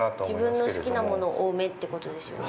自分の好きなものを多めってことですよね。